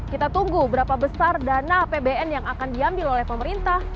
kita tunggu berapa besar dana apbn yang akan diambil oleh pemerintah